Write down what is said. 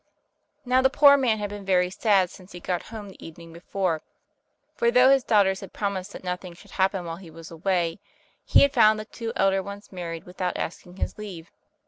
Now the poor man had been very sad since he got home the evening before, for though his daughters had promised that nothing should happen while he was away, he had found the two elder ones married without asking his leave.